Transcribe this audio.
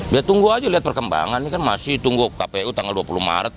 ya tunggu aja lihat perkembangan ini kan masih tunggu kpu tanggal dua puluh maret